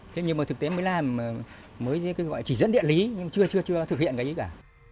thế nhưng mà thực tế mới làm mới gọi chỉ dẫn địa lý nhưng chưa thực hiện cái gì cả